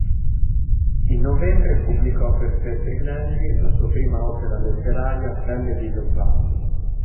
In novembre pubblicò per Feltrinelli la sua prima opera letteraria "Pelle di leopardo.